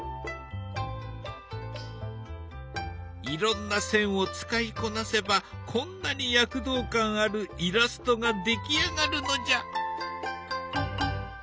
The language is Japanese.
いろんな線を使いこなせばこんなに躍動感あるイラストが出来上がるのじゃ！